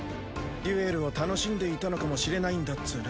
デュエルを楽しんでいたのかもしれないんだっツーナ。